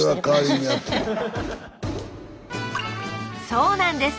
そうなんです。